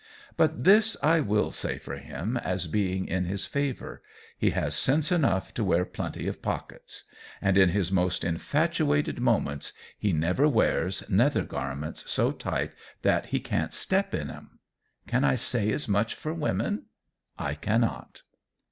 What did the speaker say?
But this I will say for him as being in his favor. He has sense enough to wear plenty of pockets. And in his most infatuated moments he never wears nether garments so tight that he can't step in 'em. Can I say as much for woman? I cannot.